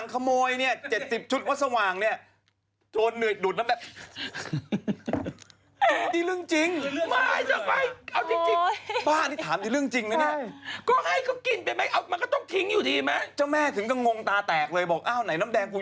ก็เป็นขวานต้นไม้เป็นขวานที่แบบในศาล